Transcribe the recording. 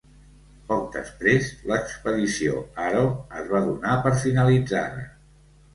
Poc després, l'Expedició Aro es va donar per finalitzada.